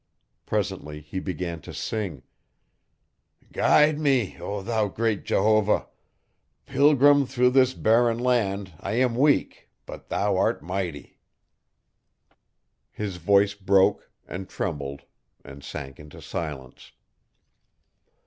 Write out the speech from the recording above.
Presently he began to sing: 'Guide me, O thou great Jehovah! Pilgrim through this barren land I am weak but thou art mighty' His voice broke and trembled and sank into silence.